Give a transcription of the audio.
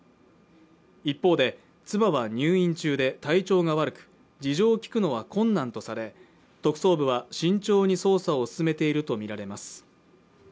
一方で、妻は入院中で体調が悪く、事情を聴くのは困難とされ、特捜部は慎重に捜査を進めているとみられます。